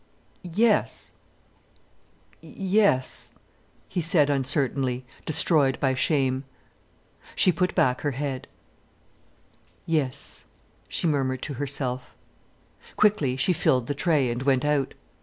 "Yes—yes——" he said uncertainly, destroyed by shame. She put back her head. "Yes," she murmured to herself. Quickly she filled the tray, and went out.